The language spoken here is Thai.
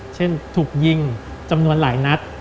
เช่นถูกยิงจำนวนหลายนัด